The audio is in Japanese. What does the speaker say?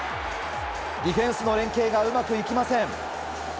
ディフェンスの連係がうまくいきません。